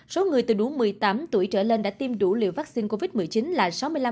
số người từ đủ một mươi tám tuổi trở lên đã tiêm đủ liều vaccine covid một mươi chín là sáu mươi năm